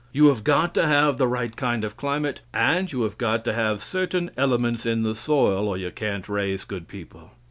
You have got to have the right kind of climate, and you have got to have certain elements in the soil, or you can't raise good people.